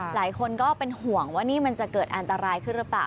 หลายคนก็เป็นห่วงว่านี่มันจะเกิดอันตรายขึ้นหรือเปล่า